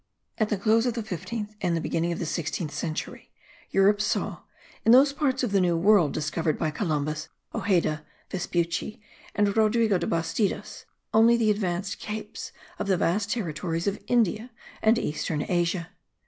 At the close of the fifteenth, and the beginning of the sixteenth century, Europe saw, in those parts of the New World discovered by Columbus, Ojeda, Vespucci and Rodrigo de Bastidas, only the advanced capes of the vast territories of India and eastern Asia.